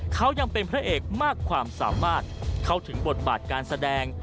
เขายังเป็นพระเอกมากความสามารถเข้าถึงบทบาทการแสดง